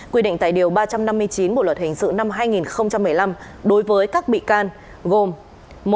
quy định tại điều ba trăm năm mươi chín bộ luật hình sự năm hai nghìn một mươi năm đối với các bị can gồm